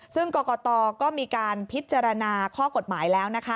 ซึ่งกรกตก็มีการพิจารณาข้อกฎหมายแล้วนะคะ